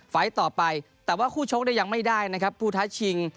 ไฟล์ต่อไปแต่ว่าคู่ชกยังไม่ได้นะครับผู้ทัชชิง